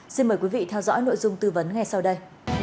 xin mời quý vị theo dõi nội dung tư vấn ngay sau đây